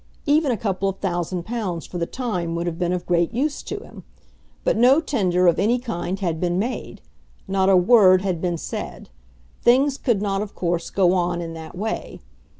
Even a couple of thousand pounds for the time would have been of great use to him; but no tender of any kind had been made. Not a word had been said. Things could not of course go on in that way.